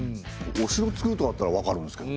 お城つくるとかだったらわかるんですけど。